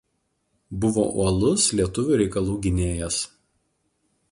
Buvo uolus lietuvių reikalų gynėjas.